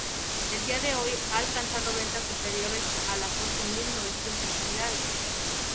El día de hoy ha alcanzado ventas superiores a las ocho mil novecientas unidades.